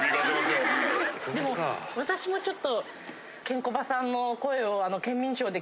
でも私もちょっと。